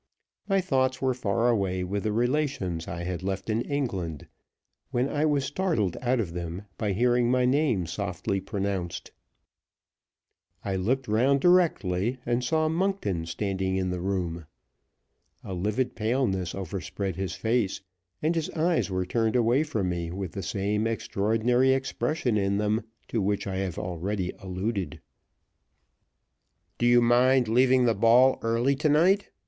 My thoughts were far away with the relations I had left in England, when I was startled out of them by hearing my name softly pronounced. I looked round directly, and saw Monkton standing in the room. A livid paleness overspread his face, and his eyes were turned away from me with the same extraordinary expression in them to which I have already alluded. "Do you mind leaving the ball early to night?"